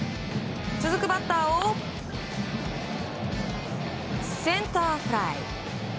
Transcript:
続くバッターをセンターフライ。